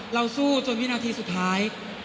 เราสู้จนวินาทีสุดท้าย